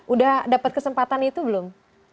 udah dapat kesempatan itu belum